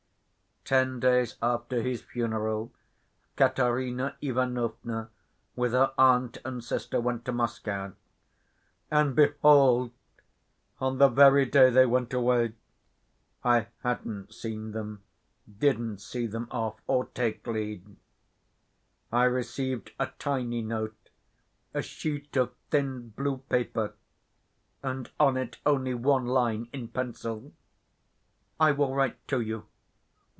Ten days after his funeral, Katerina Ivanovna, with her aunt and sister, went to Moscow. And, behold, on the very day they went away (I hadn't seen them, didn't see them off or take leave) I received a tiny note, a sheet of thin blue paper, and on it only one line in pencil: 'I will write to you.